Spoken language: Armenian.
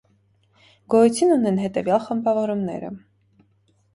Գոյություն ունեն հետևյալ խմբավորումները։